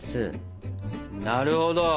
なるほど。